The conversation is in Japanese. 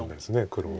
黒は。